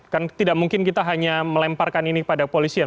kan tidak mungkin kita hanya melemparkan ini kepada polisian